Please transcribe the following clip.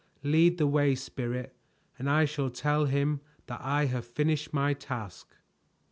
"Lead the way, Spirit, and I shall tell him that I have finished my task."